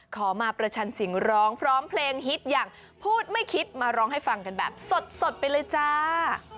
ขอมาประชันเสียงร้องพร้อมเพลงฮิตอย่างพูดไม่คิดมาร้องให้ฟังกันแบบสดไปเลยจ้า